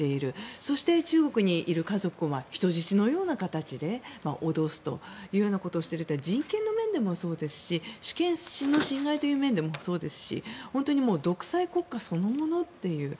そして中国にいる家族を人質のような形で脅すというようなことをしていると人権の面でもそうですし主権の侵害という面でもそうですし本当に独裁国家そのものっていう。